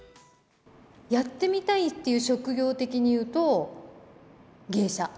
やってみたいっていう職業的にいうと、芸者。